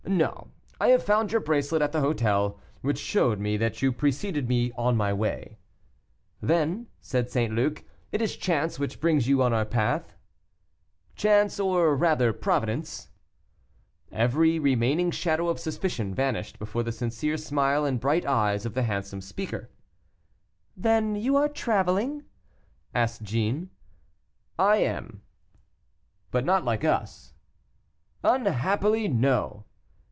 No, I found your bracelet at the hotel, which showed me that you preceded me on my way." "Then," said St. Luc, "it is chance which brings you on our path." "Chance, or rather Providence." Every remaining shadow of suspicion vanished before the sincere smile and bright eyes of the handsome speaker. "Then you are traveling?" asked Jeanne. "I am." "But not like us?" "Unhappily; no."